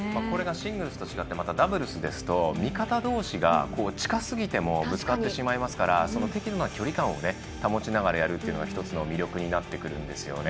シングルスと違ってダブルスですと味方どうしが近すぎてもぶつかってしまいますから適度な距離感を保ちながらやるというのが１つの魅力になってくるんですね。